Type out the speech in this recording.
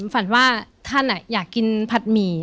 ฝันว่าท่านอยากกินผัดหมี่